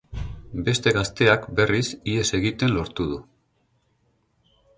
Beste gazteak, berriz, ihes egiten lortu du.